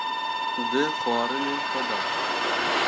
di xwarinên xwe de